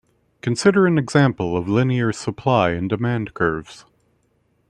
Consider an example of linear supply and demand curves.